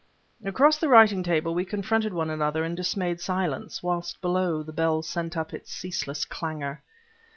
Across the writing table we confronted one another in dismayed silence, whilst, below, the bell sent up its ceaseless clangor.